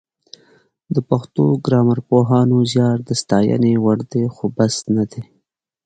د پښتو ګرامرپوهانو زیار د ستاینې وړ دی خو بس نه دی